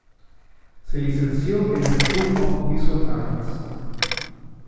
Se licenció en la School of Visual Arts.